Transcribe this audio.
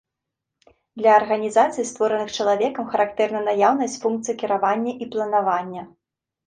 Для арганізацый, створаных чалавекам, характэрна наяўнасць функцый кіравання і планавання.